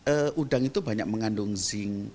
tapi paling tidak udang itu banyak mengandung zinc